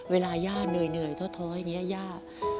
เวลาย่าเหนื่อยเท่าท้ออย่างนี้ย่า